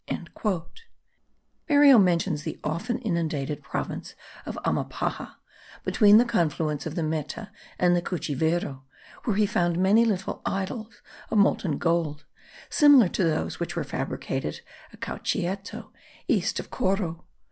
Berrio mentions the often inundated province of Amapaja, between the confluence of the Meta and the Cuchivero, where he found many little idols of molten gold, similar to those which were fabricated at Cauchieto, east of Coro.